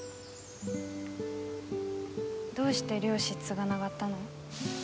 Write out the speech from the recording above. どうして漁師継がながったの？